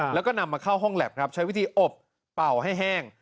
แล้วก็นำมาเข้าห้องแล็บครับใช้วิธีอบเป่าให้แห้ง